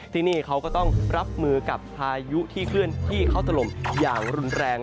ที่นี่เขาก็ต้องรับมือกับพายุที่เคลื่อนที่เข้าถล่มอย่างรุนแรง